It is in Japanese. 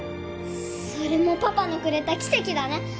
それもパパのくれた奇跡だね